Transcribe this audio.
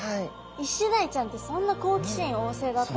イシダイちゃんってそんな好奇心旺盛だったんですね。